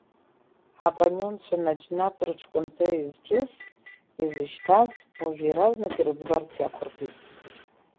Ҳаоппонентцәа наџьнатә рыҽкынҵа изҿыз, изышьҭаз, уажәы иаразнак ирыӡбарц иақәыркит.